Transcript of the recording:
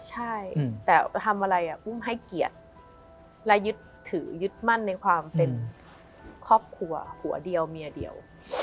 ใช่แต่ทำอะไรอุ้มให้เกียรติและยึดถือยึดมั่นในความเป็นครอบครัวหัวเดียวเมียเดียว